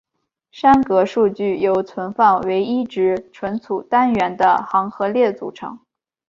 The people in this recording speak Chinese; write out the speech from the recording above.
栅格数据由存放唯一值存储单元的行和列组成。